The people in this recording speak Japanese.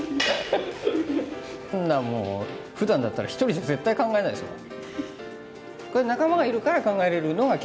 こんなもうふだんだったら１人じゃ絶対考えないですもん。